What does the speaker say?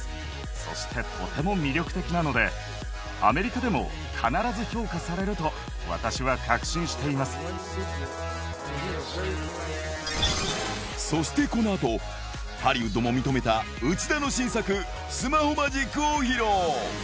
そしてとても魅力的なので、アメリカでも必ず評価されると、そしてこのあと、ハリウッドも認めた内田の新作、スマホマジックを披露。